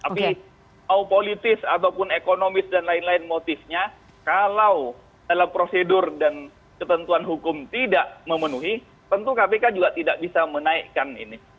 tapi mau politis ataupun ekonomis dan lain lain motifnya kalau dalam prosedur dan ketentuan hukum tidak memenuhi tentu kpk juga tidak bisa menaikkan ini